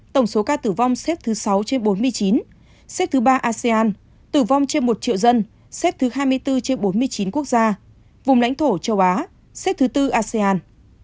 tổng số ca tử vong xếp thứ sáu trên bốn mươi chín xếp thứ ba asean tử vong trên một triệu dân xếp thứ hai mươi bốn trên bốn mươi chín quốc gia vùng lãnh thổ châu á xếp thứ tư asean